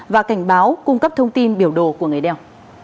và cảnh báo cung cấp thông tin biểu đồ của người đeo